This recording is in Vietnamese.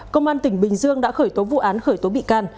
công an tỉnh bình dương đã khởi tố vụ án khởi tố bị can